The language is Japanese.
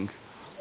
あ。